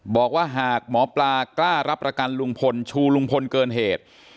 บอกว่าหากหมอปลากล้ารับประกันลุงพลชูลุงพลเกินเหตุ